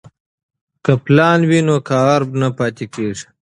که پلان وي نو کار نه پاتې کیږي.